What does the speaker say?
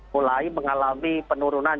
mulai mengalami penurunan